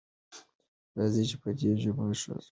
راځئ چې په دې ژبه ښه ژوند وکړو.